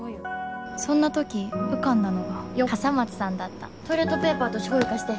そんな時浮かんだのが笠松さんだったトイレットペーパーとしょうゆ貸して。